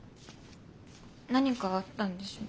何かあったんでしょ？